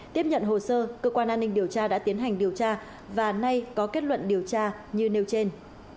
tiếp nhận hồ sơ cơ quan an ninh điều tra đã tiến hành điều tra và nay có kết luận điều tra như nêu trên